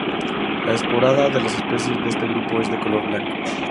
La esporada de las especies de este grupo es de color blanco.